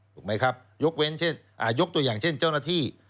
ถูกไหมครับยกตัวอย่างเช่นเจ้าหน้าที่